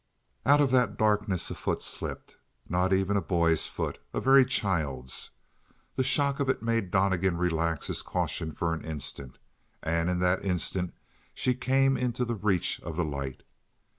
Out of that darkness a foot slipped; not even a boy's foot a very child's. The shock of it made Donnegan relax his caution for an instant, and in that instant she came into the reach of the light.